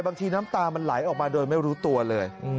บางทีน้ำตามันไหลออกมาโดยไม่รู้ตัวเลย